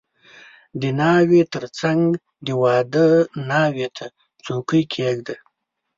• د ناوې تر څنګ د واده ناوې ته څوکۍ کښېږده.